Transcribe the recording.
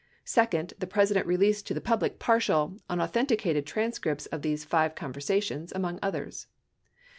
Second, the Presi dent released to the public partial, unauthenticated transcripts of these five conversations, among others.